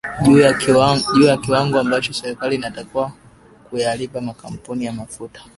juu ya kiwango ambacho serikali inatakiwa kuyalipa makampuni ya mafuta